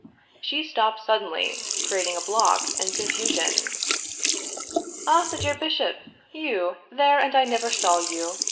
She stopped suddenly, creating a block and confusion. " Ah, the dear bishop ! You there, and I never saw you